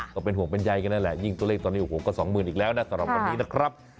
ก็เป็นห่วงเป็นใยกันนั่นแหละยิ่งตัวเลขตอนนี้โอ้โหก็สองหมื่นอีกแล้วนะสำหรับวันนี้นะครับ